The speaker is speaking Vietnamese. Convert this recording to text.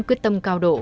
quyết tâm cao độ